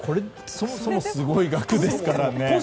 そもそもすごい額ですからね。